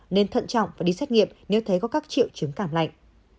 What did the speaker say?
nên thận trọng và đi xét nghiệm nếu thấy có các triệu chứng cảm lạnh